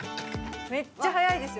めっちゃ早いですよ。